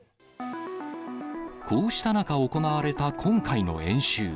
こうした中、行われた今回の演習。